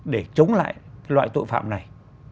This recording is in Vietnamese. để chống lại loại tội phạm này